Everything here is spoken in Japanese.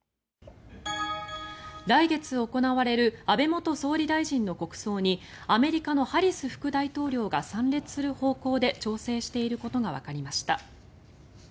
来月行われる安倍元総理大臣の国葬にアメリカのハリス副大統領が参列する方向で調整していることがわかりました。